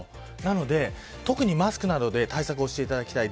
なので、特にマスクなどで対策していただきたい。